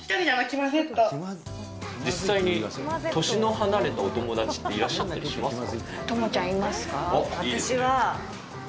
実際に、年の離れたお友達っていらっしゃったりしますか？